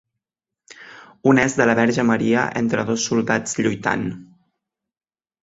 Un és de la Verge Maria entre dos soldats lluitant.